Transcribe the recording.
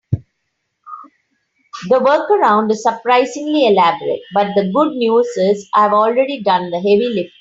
The workaround is surprisingly elaborate, but the good news is I've already done the heavy lifting.